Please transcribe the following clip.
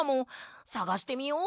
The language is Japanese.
さがしてみよう。